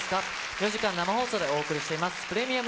４時間生放送でお送りしています、